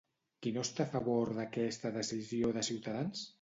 Qui no està a favor d'aquesta decisió de Ciutadans?